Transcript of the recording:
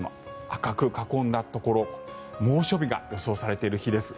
赤く囲んだところ猛暑日が予想されている日です。